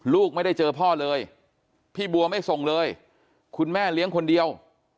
ลูกไม่ได้เจอพ่อเลยพี่บัวไม่ส่งเลยคุณแม่เลี้ยงคนเดียว